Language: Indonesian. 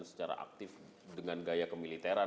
secara aktif dengan gaya kemiliteran